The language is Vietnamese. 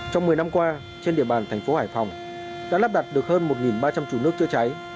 trong một mươi năm qua trên địa bàn thành phố hải phòng đã lắp đặt được hơn một ba trăm linh trụ nước chữa cháy